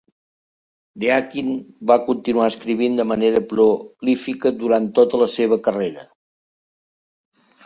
Deakin va continuar escrivint de manera prolífica durant tota la seva carrera.